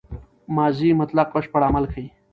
ماضي مطلق بشپړ عمل ښيي.